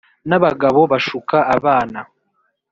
nabagabo bashuka abana